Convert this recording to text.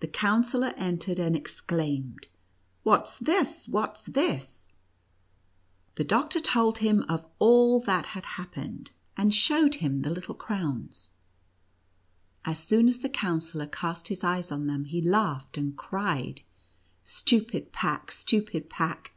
The Counsellor entered, and exclaimed: "What's this ? what's this F The doctor told him of all that had happened, and showed him the little lö:3 NUTCRACKER AND MOUSE KING. crowns. As soon as the Counsellor cast his eyes on them, he laughed and cried :" Stupid pack — stupid pack